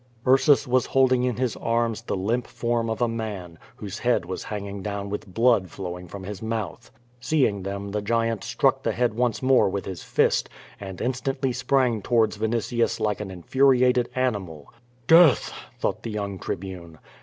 Ursus was holding in his arms the limp form of a man, whose head was hanging down with blood flowing from his mouth. Seeing them the giant struck the head once more with liis fist, and instantly sprang towards Vinitius like an infuriated animal. *'Death!" thought the young Tribune.